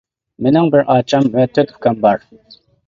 مېنىڭ بىر ئاچام ۋە تۆت ئۇكام بار.